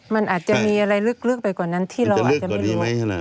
มันอาจจะมีอะไรลึกไปกว่านั้นที่เราอาจจะไม่รู้